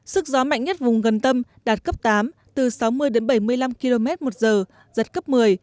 sức gió mạnh nhất vùng gần tâm đạt cấp tám từ sáu mươi đến bảy mươi năm km một giờ giật cấp một mươi